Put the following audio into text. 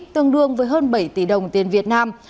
tương đương với hơn bảy tỷ đồng tiền việt nam